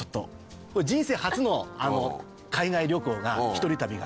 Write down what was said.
人生初の海外旅行が一人旅がスイス。